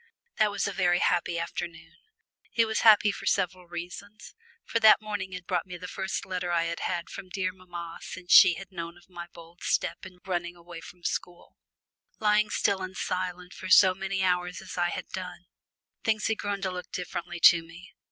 That was a very happy afternoon. It was happy for several reasons, for that morning had brought me the first letter I had had from dear mamma since she had heard of my bold step in running away from school! Lying still and silent for so many hours as I had done, things had grown to look differently to me.